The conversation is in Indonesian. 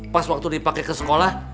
pas waktu dipakai ke sekolah